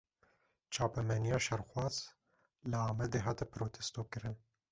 Çapemeniya şerxwaz, li Amedê hate protestokirin